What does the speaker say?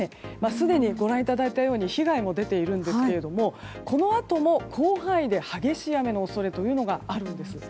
すでにご覧いただいたように被害も出ているんですけれどもこのあとも広範囲で激しい雨の恐れというのがあるんです。